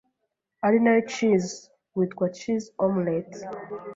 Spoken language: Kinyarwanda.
ari nayo cheese ,witwa cheese omelet